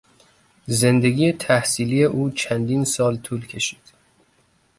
زندگی تحصیلی او چندین سال طول کشید.